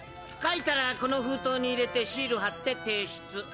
書いたらこの封筒に入れてシールはって提出。